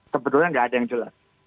sebetulnya nggak ada yang jelas